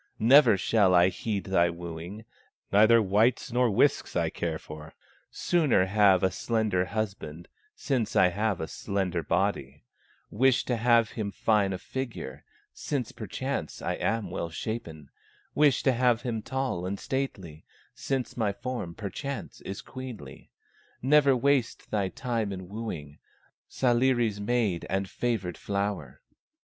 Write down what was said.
Never shall I heed thy wooing, Neither wights nor whisks I care for, Sooner have a slender husband Since I have a slender body; Wish to have him fine of figure, Since perchance I am well shapen; Wish to have him tall and stately, Since my form perchance is queenly; Never waste thy time in wooing Sahri's maid and favored flower."